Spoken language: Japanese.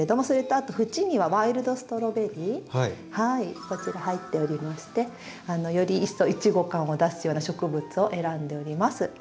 それとあと縁にはワイルドストロベリーこちら入っておりましてより一層イチゴ感を出すような植物を選んでおります。